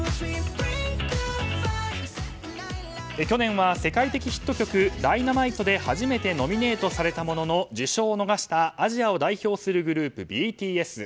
去年は世界的ヒット曲「Ｄｙｎａｍｉｔｅ」で初めてノミネートされたものの受賞を逃したアジアを代表するグループＢＴＳ。